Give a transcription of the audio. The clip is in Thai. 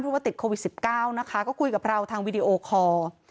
เพราะว่าติดโควิด๑๙นะคะก็คุยกับเราทางวีดีโอคอร์